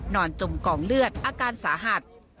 จมกองเลือดอาการสาหัส